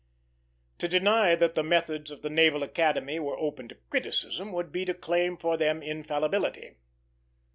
To deny that the methods of the Naval Academy were open to criticism would be to claim for them infallibility.